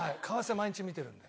毎日見てるので。